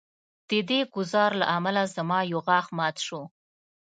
د دې ګزار له امله زما یو غاښ مات شو